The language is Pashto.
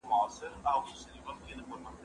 يوه يې خپل ږغ او د کارېدلو ځانګړی ځای لري .